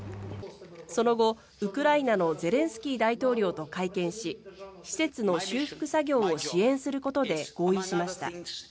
その後、ウクライナのゼレンスキー大統領と会見し施設の修復作業を支援することで合意しました。